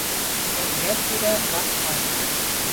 Эргә-тирә батҡаҡ.